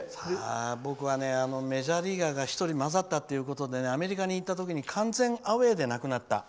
僕はメジャーリーガーが１人、混ざったということでアメリカに行った時に完全アウェーでなくなった。